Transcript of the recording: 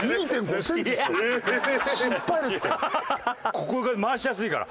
ここが回しやすいから。